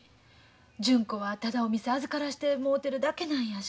純子はただお店預からしてもうてるだけなんやし。